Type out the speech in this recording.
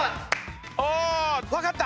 あ分かった！